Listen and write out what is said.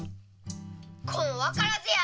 このわからずや！